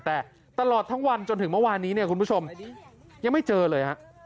แต่ตลอดทั้งวันจนถึงเมื่อวานนี้เนี่ยคุณผู้ชมยังไม่เจอเลยฮะ